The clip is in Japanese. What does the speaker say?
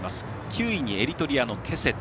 ９位にエリトリアのケセテ。